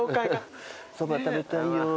そば食べたいよ。